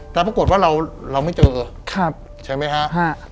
แต่ปรากฏว่าเราเราไม่เจอครับใช่ไหมฮะ